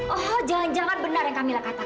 oh jangan jangan benar yang kami katakan